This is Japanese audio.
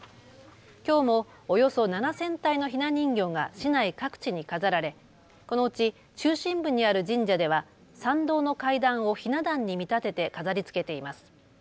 きょうもおよそ７０００体のひな人形が市内各地に飾られこのうち中心部にある神社では参道の階段をひな壇に見立てて飾りつけています。